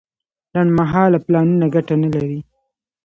لنډمهاله پلانونه ګټه نه لري.